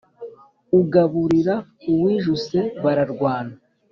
Ugaburira uwijuse bararwana.